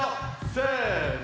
せの！